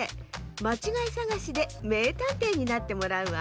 まちがいさがしでめいたんていになってもらうわ。